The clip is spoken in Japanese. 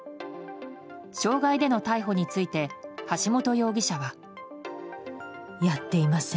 傷害での逮捕について橋本容疑者は。やっていません。